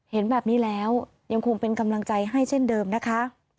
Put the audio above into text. เห็นแบบนี้แล้วยังคงเป็นกำลังใจให้เช่นเดิมนะคะ